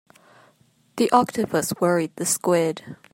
The octopus worried the squid.